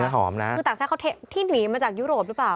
หอมนะคือต่างชาติเขาที่หนีมาจากยุโรปหรือเปล่า